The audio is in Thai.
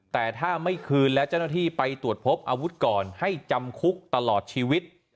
แต่ถ้าไม่คืนและเจ้าหน้าที่ไปตรวจพบอาวุธก่อนให้จำคุกตลอดชีวิต